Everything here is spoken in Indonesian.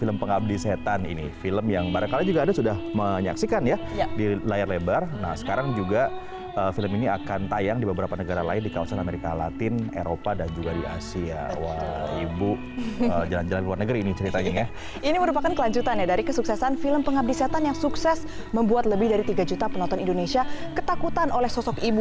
membuat lebih dari tiga juta penonton indonesia ketakutan oleh sosok ibu